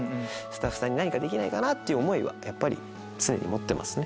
スタッフさんに何かできないかなっていう思いは常に持ってます。